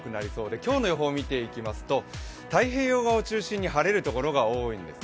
今日の予報を見ていきますと、太平洋側を中心に晴れる所が多いんですね。